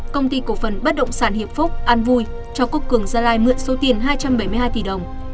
công ty cổ phần bất động sản hiệp phúc an vui cho quốc cường gia lai mượn số tiền hai trăm bảy mươi hai tỷ đồng